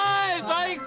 最高！